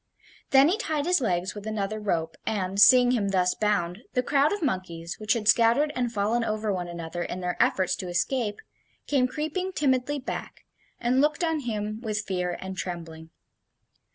Then he tied his legs with another rope, and, seeing him thus bound, the crowd of monkeys, which had scattered and fallen over one another in their efforts to escape, came creeping timidly back, and looked on him with fear and trembling.